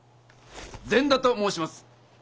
善田ともうします。